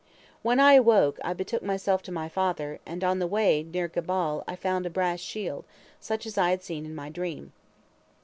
"When I awoke, I betook myself to my father, and on the way, near Gebal, I found a brass shield, such as I had seen in my dream.